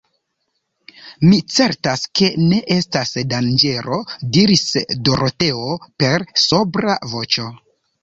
Mi certas ke ne estas danĝero, diris Doroteo, per sobra voĉo.